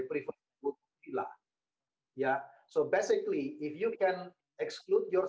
biar saya katakan pertama tama saya senang berada di jakarta